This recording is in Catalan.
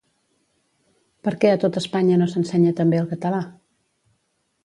Perquè a tot Espanya no s'ensenya també el català?